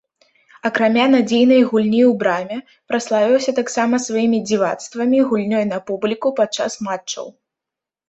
Акрамя надзейнай гульні ў браме, праславіўся таксама сваімі дзівацтвамі, гульнёй на публіку падчас матчаў.